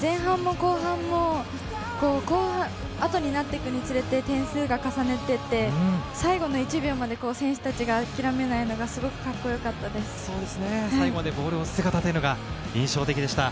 前半も後半もあとになっていくにつれて点数を重ねていって、最後の１秒まで選手達があきらめないのがすごくカッコよかったで最後までボールを追う姿が印象的でした。